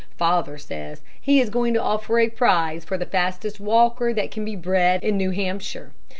Father says he is going to offer a prize for the fastest walker that can be bred in New Hampshire.